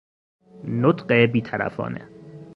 نطق بیطرفانه